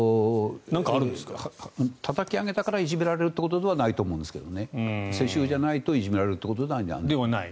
たたき上げだからいじめられるということはないと思いますが世襲じゃないといじめられるということではない。